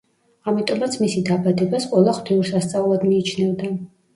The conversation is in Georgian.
ამიტომაც მისი დაბადებას ყველა ღვთიურ სასწაულად მიიჩნევდა.